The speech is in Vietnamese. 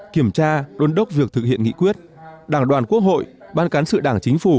kiểm tra đôn đốc việc thực hiện nghị quyết đảng đoàn quốc hội ban cán sự đảng chính phủ